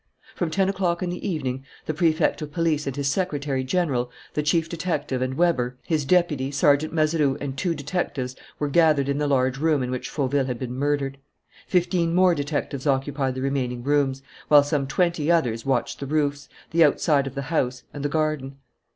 From ten o'clock in the evening the Prefect of Police and his secretary general, the chief detective and Weber, his deputy, Sergeant Mazeroux, and two detectives were gathered in the large room in which Fauville had been murdered. Fifteen more detectives occupied the remaining rooms, while some twenty others watched the roofs, the outside of the house, and the garden.